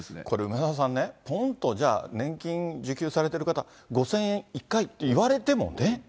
これ、梅沢さんね、ぽんとじゃあ、年金受給されている方、５０００円１回って言われてもね。